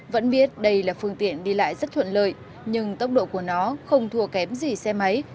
vẫn biết đây là phương tiện đi lại rất thuận lợi nhưng tốc độ của nó không thua kém gì xe máy